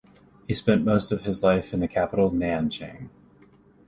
He spent most of his life in the capital Nanchang.